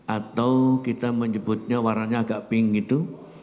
atau kita menyebutnya warnanya agak pink itu